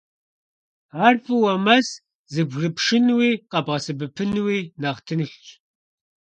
Ар фӀыуэ мэс, зэбгрыпшынуи къэбгъэсэбэпынуи нэхъ тыншщ.